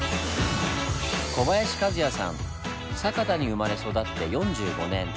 酒田に生まれ育って４５年。